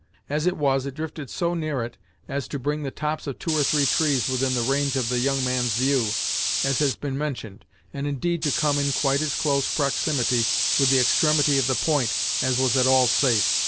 As it was, it drifted so near it as to bring the tops of two or three trees within the range of the young man's view, as has been mentioned, and, indeed, to come in quite as close proximity with the extremity of the point as was at all safe.